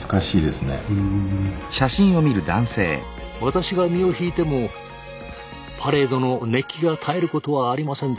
私が身を引いてもパレードの熱気が絶えることはありませんでした。